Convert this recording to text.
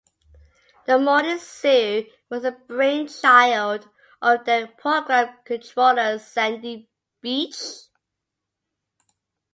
The Morning Zoo was the brainchild of then programme controller Sandy Beech.